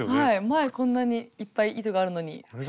前こんなにいっぱい糸があるのに不思議ですね。